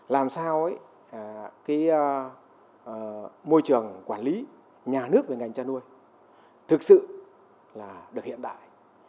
làm sao môi trường quản lý nhà nước về ngành tra nuôi thực sự được hiện đại